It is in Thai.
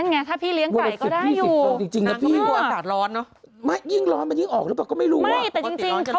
นั่นไงถ้าพี่เลี้ยงไข่ก็ได้อยู่วันนอกสิบพี่สิบสองจริง